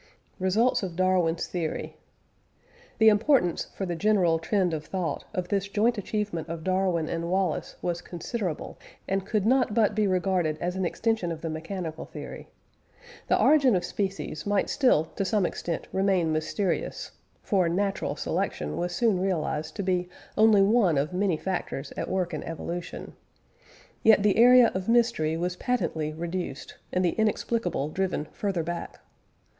RESULTS OF DARWIN'S THEORY. The importance (for the general trend of thought) of this joint achievement of Darwin and Wallace was considerable, and could not but be regarded as an extension of the mechanical theory. The origin of species might still to some extent remain mysterious (for "natural selection" was soon realised to be only one of many factors at work in evolution), yet the area of mystery was patently reduced, and the "inexplicable" driven further back.